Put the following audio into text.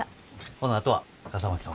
ほなあとは笠巻さん